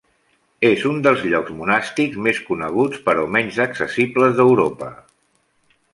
És un dels llocs monàstics més coneguts, però menys accessibles d'Europa.